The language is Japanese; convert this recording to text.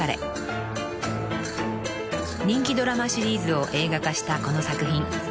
［人気ドラマシリーズを映画化したこの作品］